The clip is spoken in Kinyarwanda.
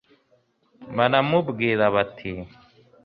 baramubwira bati